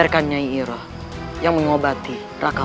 tuhan yang terbaik